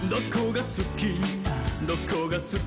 「どこがすき？